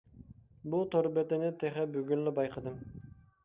بۇ تور بېتىنى تېخى بۈگۈنلا بايقىدىم.